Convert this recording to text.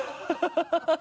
ハハハ